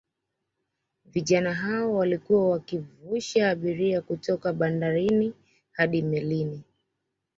Vijana hao walikuwa wakivusha abiria kutoka bandarini hadi melini